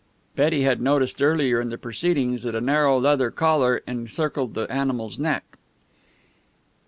Betty had noticed earlier in the proceedings that a narrow leather collar encircled the animal's neck.